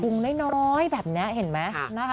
น้อยแบบเนี้ยเห็นมั้ย